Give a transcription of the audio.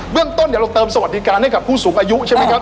เรื่องต้นเดี๋ยวเราเติมสวัสดิการให้กับผู้สูงอายุใช่ไหมครับ